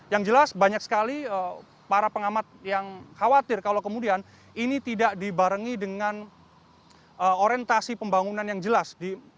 yang jelas banyak sekali para pengamat yang khawatir kalau kemudian ini tidak dibarengi dengan orientasi pembangunan yang jelas